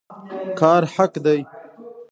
کار حق دی